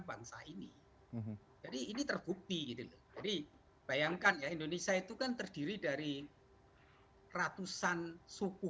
bangsa ini jadi ini terbukti jadi bayangkan indonesia itu kan terdiri dari ratusan suku